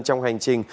trong hành trình